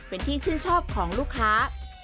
เป็นที่ชื่นชอบของลูกค้า